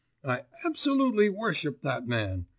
I absolutely worship that man!